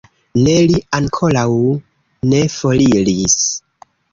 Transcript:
Ne, li ankoraŭ ne foriris.